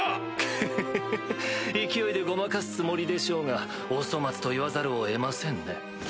クフフフ勢いでごまかすつもりでしょうがお粗末と言わざるを得ませんね。